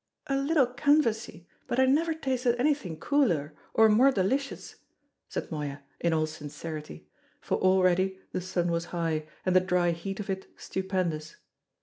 "A little canvassy, but I never tasted anything cooler, or more delicious," said Moya in all sincerity, for already the sun was high, and the dry heat of it stupendous.